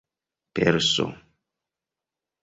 perso